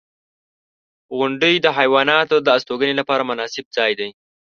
• غونډۍ د حیواناتو د استوګنې لپاره مناسب ځای دی.